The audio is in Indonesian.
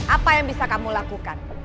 apa yang bisa kamu lakukan